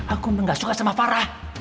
aku gak suka sama farah